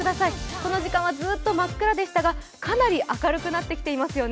この時間はずっと真っ暗でしたがかなり明るくなってきていますよね。